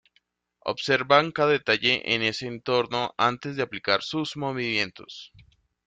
Observan cada detalle en ese entorno antes de aplicar sus movimientos.